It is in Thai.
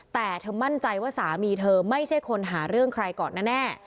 แต่เธอมั่นใจว่าสามีเธอไม่ใช่คนหาเรื่องใครก่อนแน่